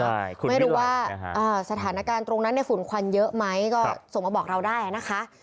ไม่รู้ว่าสถานการณ์ตรงนั้นในฝุ่นควันเยอะไหมก็ส่งมาบอกเราได้นะคะ